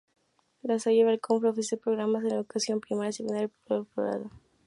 La Salle-Bacolod ofrece programas en educación primaria, secundaria, pregrado y posgrado.